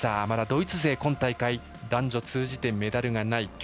まだドイツ勢、今大会男女通じてメダルがない。